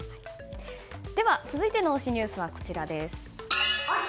続いての推しニュースはこちらです。